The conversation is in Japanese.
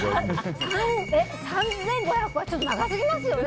３５００ｍは長すぎますよね。